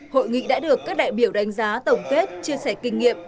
hội nghị đã được các đại biểu đánh giá tổng kết chia sẻ kinh nghiệm